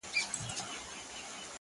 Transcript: د گريوان ډورۍ ته دادی ځان ورسپاري.